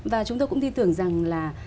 và chúng tôi cũng tin tưởng rằng là